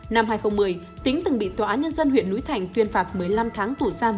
năm hai nghìn một mươi tính từng bị tòa án nhân dân huyện núi thành tuyên phạt một mươi năm tháng tù giam